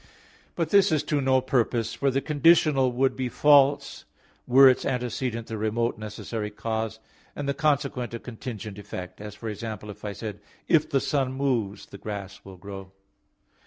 But this is to no purpose. For the conditional would be false were its antecedent the remote necessary cause, and the consequent a contingent effect; as, for example, if I said, "if the sun moves, the grass will grow."